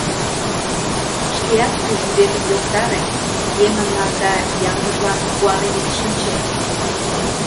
Шкеак пӱжвӱдетым йоктаре, еҥынлан да ямдыжлан куанен ит шинче».